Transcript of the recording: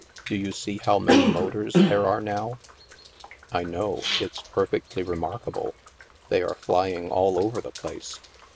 Do you see how many motors there are now ?"" I know. It's perfectly remarkable. They are flying all over the place."